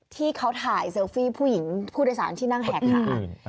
ที่เขาถ่ายเซลฟี่ผู้หญิงผู้โดยสารที่นั่งแหกขา